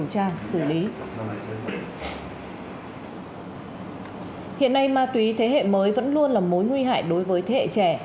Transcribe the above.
hiện nay ma túy thế hệ mới vẫn luôn là mối nguy hại đối với thế hệ trẻ